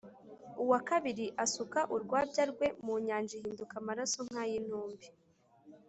Uwa kabiri asuka urwabya rwe mu nyanja ihinduka amaraso nk’ay’intumbi,